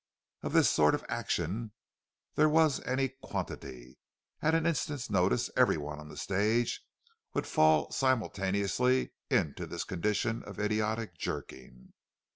Of this sort of "action" there was any quantity—at an instant's notice every one on the stage would fall simultaneously into this condition of idiotic jerking.